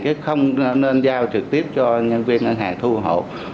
chứ không nên giao trực tiếp cho nhân viên ngân hàng thu ủng hộ